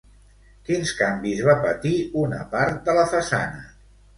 Quins canvis va patir una part de la façana?